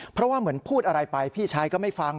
เพราะว่าเหมือนพูดอะไรไปพี่ชายก็ไม่ฟัง